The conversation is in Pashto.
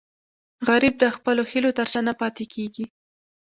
غریب د خپلو هیلو تر شا نه پاتې کېږي